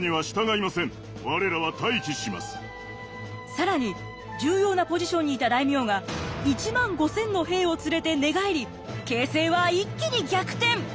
更に重要なポジションにいた大名が１万５，０００の兵を連れて寝返り形成は一気に逆転！